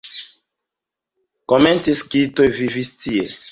Komence skitoj vivis tie.